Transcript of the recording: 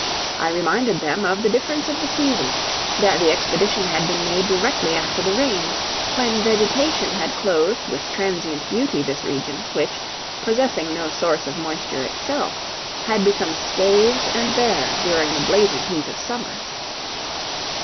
I reminded them of the difference of the season; that the expedition had been made directly after the rains, when vegetation had clothed with transient beauty this region, which, possessing no source of moisture itself, had become scathed and bare during the blazing heat of summer.